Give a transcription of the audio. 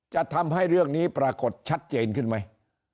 จะทำให้เรื่องนี้ปรากฏชัดเจนขึ้นไหม